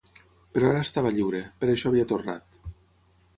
Però ara estava lliure, per això havia tornat.